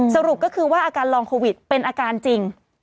สรุปก็คือว่าอาการลองโควิดเป็นอาการจริง